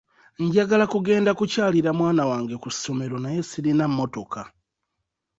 Njagala kugenda kukyalira mwana wange ku ssomero naye sirina mmotoka.